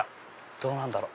どうなんだろう？